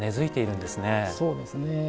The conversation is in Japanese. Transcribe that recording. そうですね。